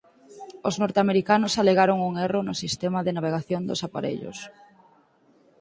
Os norteamericanos alegaron un erro no sistema de navegación dos aparellos.